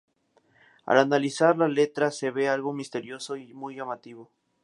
Al analizar la letra se ve algo misterioso y muy llamativo.